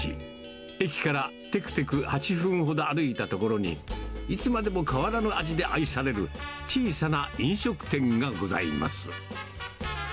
駅からてくてく８分ほど歩いた所に、いつまでも変わらぬ味で愛される小さな飲食店がございます。